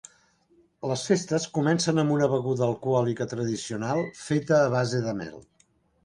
Les festes comencen amb una beguda alcohòlica tradicional feta a base de mel.